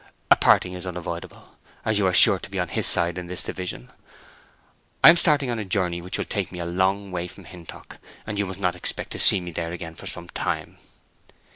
A parting is unavoidable, as you are sure to be on his side in this division. I am starting on a journey which will take me a long way from Hintock, and you must not expect to see me there again for some time."